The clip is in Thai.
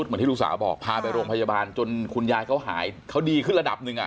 เหมือนที่ลูกสาวบอกพาไปโรงพยาบาลจนคุณยายเขาหายเขาดีขึ้นระดับหนึ่งอ่ะ